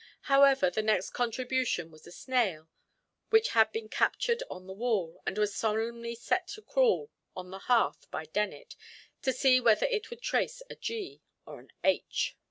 However, the next contribution was a snail, which had been captured on the wall, and was solemnly set to crawl on the hearth by Dennet, "to see whether it would trace a G or an H."